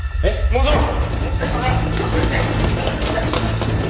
戻ろう！